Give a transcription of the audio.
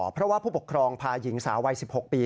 เพราะว่าผู้ปกครองพาหญิงสาววัย๑๖ปี